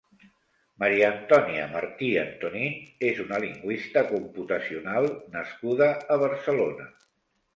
Maria Antonia Martí Antonín és una linguista computacional nascuda a Barcelona.